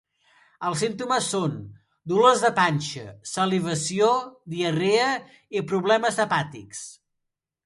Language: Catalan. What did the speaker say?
Els símptomes són: dolors de panxa, salivació, diarrea i problemes hepàtics.